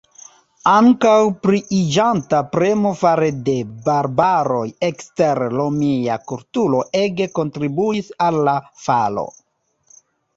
Ankaŭ pliiĝanta premo fare de "barbaroj" ekster romia kulturo ege kontribuis al la falo.